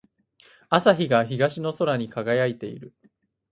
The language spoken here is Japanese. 朝日が東の空に輝いている。